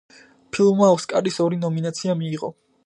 ფილმმა ოსკარის ორი ნომინაცია მიიღო.